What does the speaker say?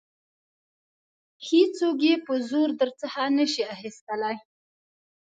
هیڅوک یې په زور درڅخه نشي اخیستلای.